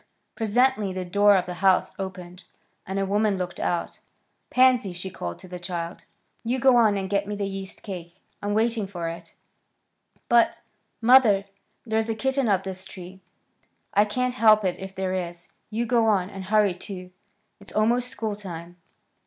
Presently the door of the house opened, and a woman looked out. "Pansy," she called to the child, "you go on and get me the yeast cake. I'm waiting for it." "But, mother, there's a kitten up this tree." "I can't help it if there is. You go on, and hurry, too. It's almost school time."